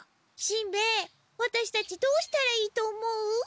しんべヱワタシたちどうしたらいいと思う？